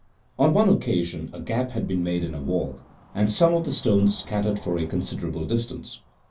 On one occasion a gap had been made in a wall, and some of the stones scattered for a considerable distance.